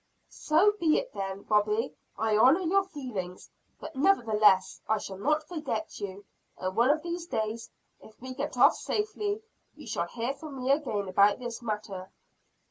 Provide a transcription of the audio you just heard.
"So be it then, Robie; I honor your feelings! But nevertheless I shall not forget you. And one of these days, if we get off safely, you shall hear from me again about this matter."